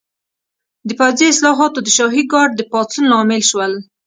د پوځي اصلاحات د شاهي ګارډ د پاڅون لامل شول.